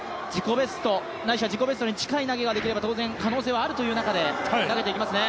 ベストないしは自己ベストに近い投げができれば当然可能性はあるという中で投げていきますね。